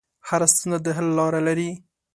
هره ستونزه د حل لاره لري.